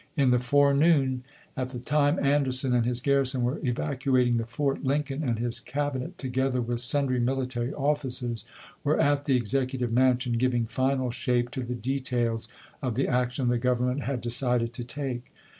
In the forenoon, at the time Anderson and his garrison were evacuat ing the fort, Lincoln and his Cabinet, together with THE CALL TO AEMS 77 sundry military officers, were at the Executive Mansion, giving final shape to the details of the action the Government had decided to take.